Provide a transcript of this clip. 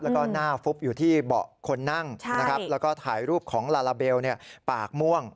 แล้วก็หน้าฟุบอยู่ที่เบาะคนนั่งนะครับแล้วก็ถ่ายรูปของลาลาเบลปากม่วง